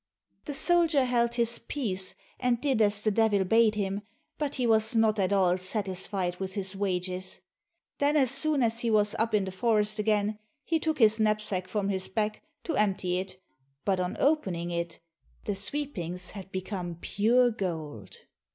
The soldier held his peace, and did as the Devil bade him, but he was not at all satisfied with his wages. Then as soon as he was up in the forest again, he took his knapsack from his back, to empty it, but on opening it, the sweepings had become pure gold.